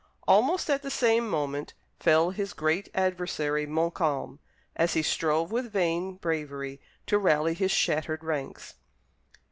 Almost at the same moment fell his great adversary, Montcalm, as he strove with vain bravery to rally his shattered ranks.